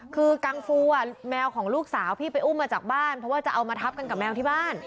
คือกังฟูแมวของลูกสาวพี่ไปอุ้มมาจากบ้านเพราะว่าจะเอามาทับกันกับแมวที่บ้าน